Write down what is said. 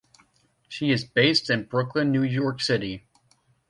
She is based in Brooklyn, New York City.